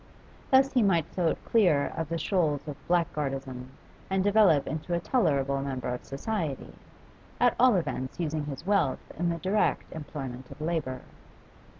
Thus he might float clear of the shoals of black guardism and develop into a tolerable member of society, at all events using his wealth in the direct employment of labour.